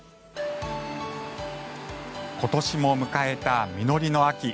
今年も迎えた実りの秋。